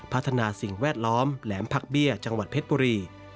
พัฒนาสิ่งแวดล้อมแหลมพักเบี้ยจังหวัดเพชรบุรี